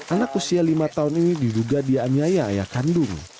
anak usia lima tahun ini diduga dianyai ayah kandung